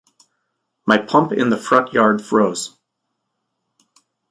My pump in the front yard froze.